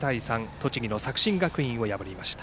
栃木の作新学院を破りました。